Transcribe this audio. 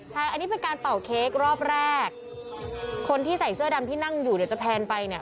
ใช่อันนี้เป็นการเป่าเค้กรอบแรกคนที่ใส่เสื้อดำที่นั่งอยู่เนี่ยจะแพนไปเนี่ย